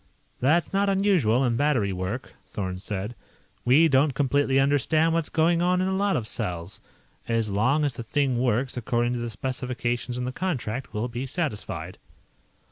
"That's not unusual in battery work," Thorn said. "We don't completely understand what's going on in a lot of cells. As long as the thing works according to the specifications in the contract, we'll be satisfied."